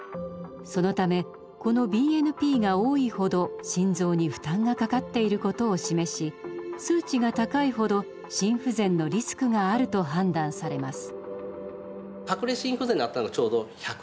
そのためこのＢＮＰが多いほど心臓に負担がかかっていることを示し数値が高いほど心不全のリスクがあると判断されます。